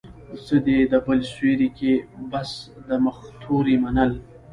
څه دي د بل سيوري کې، بس د مختورۍ منل